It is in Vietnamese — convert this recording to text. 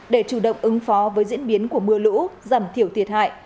để chủ động ứng phó với diễn biến của mưa lũ giảm thiểu thiệt hại